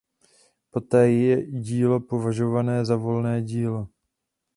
Poté je dílo považované za volné dílo.